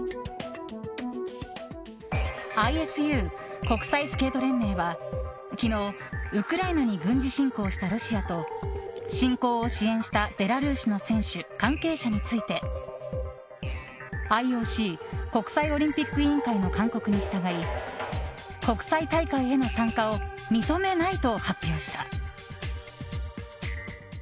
ＩＳＵ・国際スケート連盟は昨日ウクライナに軍事侵攻したロシアと侵攻を支援したベラルーシの選手関係者についてＩＯＣ・国際オリンピック委員会の勧告に従い国際大会への参加を認めないと発表した。